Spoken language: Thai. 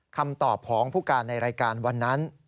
คำตอบของผู้การในรายการวันนั้น